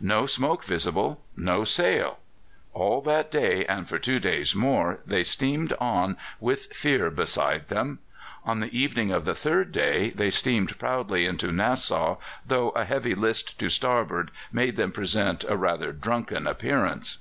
No smoke visible no sail! All that day and for two days more they steamed on with fear beside them. On the evening of the third day they steamed proudly into Nassau, though a heavy list to starboard made them present a rather drunken appearance.